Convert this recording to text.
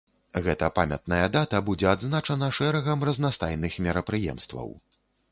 Гэта памятная дата будзе адзначана шэрагам разнастайных мерапрыемстваў.